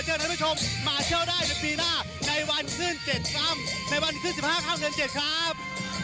ในวันขึ้น๑๕๐๗ครับ